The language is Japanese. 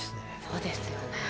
そうですよね。